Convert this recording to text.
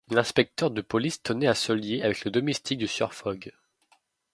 L’inspecteur de police tenait à se lier avec le domestique du sieur Fogg.